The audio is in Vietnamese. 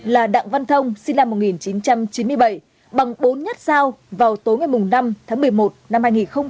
là đặng văn thông sinh năm một nghìn chín trăm chín mươi bảy bằng bốn nhất dao vào tối ngày năm tháng một mươi một năm hai nghìn một mươi ba